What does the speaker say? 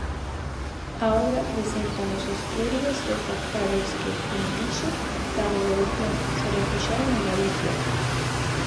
A obra preséntanos os clérigos refractarios que, fuxindo da revolución, se refuxiaron en Galicia.